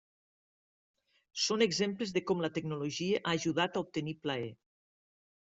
Són exemples de com la tecnologia ha ajudat a obtenir plaer.